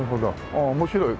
ああ面白い。